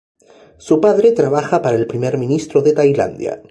Su padre trabaja para el Primer Ministro de Tailandia.